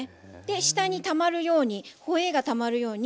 下にたまるようにホエーがたまるように。